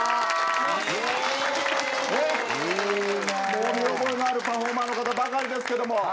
もう見覚えのあるパフォーマーの方ばかりですけども。